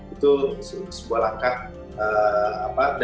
itu sebuah langkah dan komitmen kita bersama